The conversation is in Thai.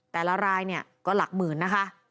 แต่ละรายก็หลักหมื่นนะคะ